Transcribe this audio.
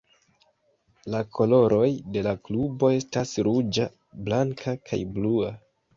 La koloroj de la klubo estas ruĝa, blanka, kaj blua.